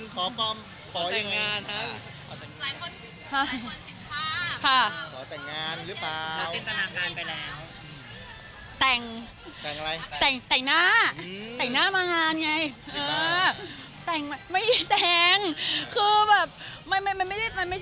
ขอต่างานหรือเปล่า